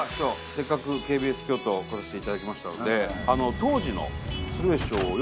せっかくＫＢＳ京都来させていただきましたので。